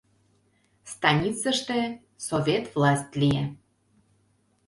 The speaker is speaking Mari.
Станицыште Совет власть лие.